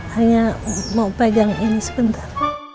hanya mau pegang ini sebentar